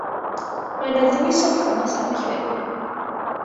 Mae 'na ddwy soffa yn y stafell fyw.